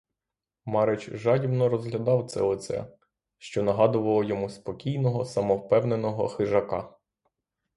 Марич жадібно розглядав це лице, що нагадувало йому спокійного самовпевненого хижака.